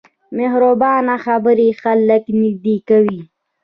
مهربانه خبرې خلک نږدې کوي.